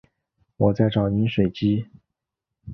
我在找饮水机